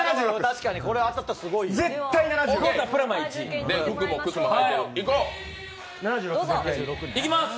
確かにこれ当たったらすごい。いきます。